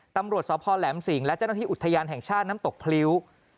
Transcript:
ตำรวจสพแหลมสิงและเจ้าหน้าที่อุทยานแห่งชาติน้ำตกพริ้ว